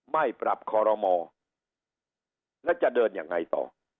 ไม่ปรับคอรมอแล้วจะเดินยังไงต่อ